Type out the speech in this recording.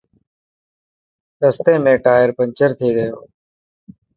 رستي ۾ ٽائر پينچر ٿي گيو.